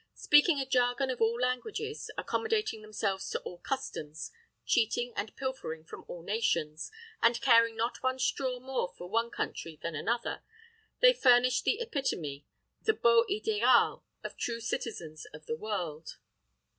Speaking a jargon of all languages, accommodating themselves to all customs, cheating and pilfering from all nations, and caring not one straw more for one country than another, they furnished the epitome, the beau ideal of true citizens of the world.